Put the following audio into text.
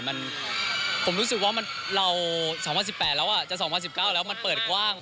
มันผมรู้สึกว่าเรา๒๐๑๘แล้วจะ๒๐๑๙แล้วมันเปิดกว้าง